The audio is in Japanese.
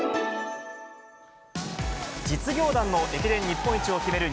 実業団の駅伝日本一を決める